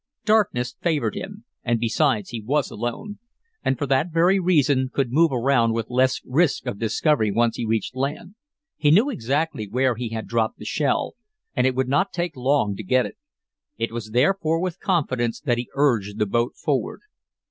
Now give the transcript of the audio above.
Darkness favored him, and besides he was alone; and for that very reason could move around with less risk of discovery once he reached land. He knew exactly where he had dropped the shell, and it would not take long to get it. It was therefore with confidence that he urged the boat forward.